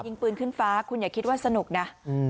ยิงปืนขึ้นฟ้าคุณอย่าคิดว่าสนุกนะ